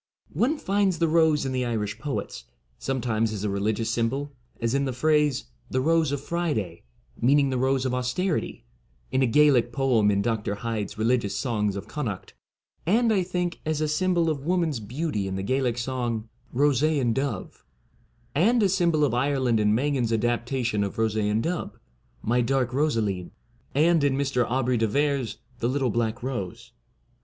One finds the Rose in the Irish poets, sometimes as a religious symbol, as in the phrase, ' the Rose of Friday,' meaning the Rose of austerity, in a Gaelic poem in Dr. Hyde's ' Religious Songs of Connacht;' and, I think, as a symbol of woman's beauty in the Gaelic song, * Roseen Dubh;' and a symbol of Ireland in Mangan's adaptation of ' Roseen Dubh, '' My Dark Rosa leen,' and in Mr. Aubrey de Vere's 'The Little Black Rose.